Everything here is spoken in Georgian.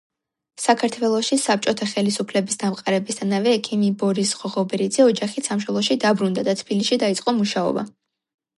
საქართველოში საბჭოთა ხელისუფლების დამყარებისთანავე ექიმი ბორის ღოღობერიძე ოჯახით სამშობლოში დაბრუნდა და თბილისში დაიწყო მუშაობა.